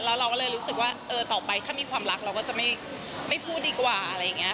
แล้วเราก็เลยรู้สึกว่าเออต่อไปถ้ามีความรักเราก็จะไม่พูดดีกว่าอะไรอย่างนี้